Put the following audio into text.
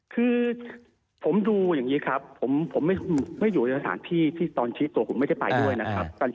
คือผมดูอย่างนี้ครับผมไม่อยู่ในสถานที่ที่ตอนชี้ตัวผมไม่ได้ไปด้วยนะครับ